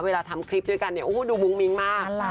เวลาทำคลิปด้วยกันเนี่ยดูมุ้งมิ้งมาก